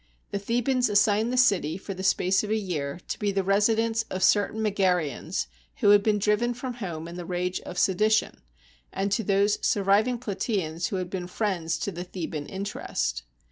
The Thebans assigned the city, for the space of a year, to be the residence of certain Megareans, who had been driven from home in the rage of sedition, and to those surviving Plataeans who had been friends to the Theban interest.